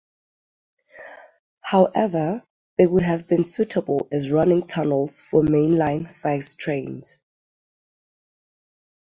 However, they would have been suitable as running tunnels for main-line size trains.